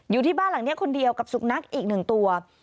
อยู่ที่บ้านหลังนี้คนเดียวกับสุนัขอีกหนึ่งตัว